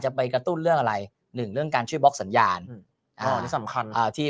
จะไปกระตุ้นเรื่องอะไรหนึ่งเรื่องการช่วยบล็อกสัญญาณสำคัญที่